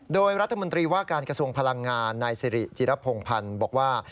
โดยรัฐมนตรีว่าการกระทรวงพลังงานนายสิริจิรพงพันธ์บอกว่า